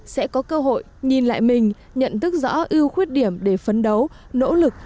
sẽ có cơ hội nhìn lại mình nhận thức rõ ưu khuyết điểm để phấn đấu nỗ lực